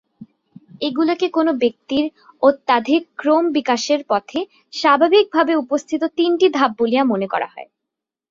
এগুলিকে কোন ব্যক্তির আধ্যাত্মিক ক্রমবিকাশের পথে স্বভাবিকভাবে উপস্থিত তিনটি ধাপ বলিয়া মনে করা হয়।